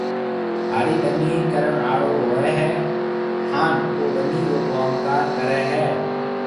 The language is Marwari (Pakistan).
هاڙِي ٻنِي ڪرڻ آݪو هوئي هيَ هانَ او ٻنِي رو ڪوم ڪار ڪريَ هيَ۔